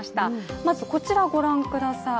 まず、こちらご覧ください。